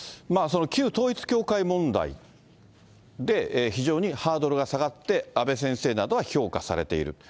旧統一教会問題で、非常にハードルが下がって、阿部先生などは評価されている。